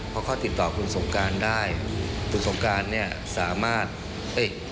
เพราะเขาติดต่อคุณสงการได้คุณสงการเนี่ยสามารถเอ๊ะ